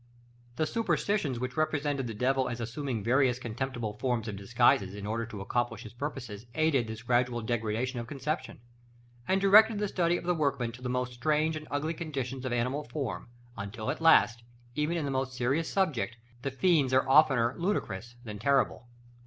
The superstitions which represented the devil as assuming various contemptible forms of disguises in order to accomplish his purposes aided this gradual degradation of conception, and directed the study of the workman to the most strange and ugly conditions of animal form, until at last, even in the most serious subjects, the fiends are oftener ludicrous than terrible.